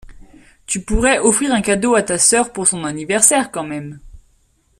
Tu pourrais offrir un cadeau à ta sœur pour son anniversaire quand même.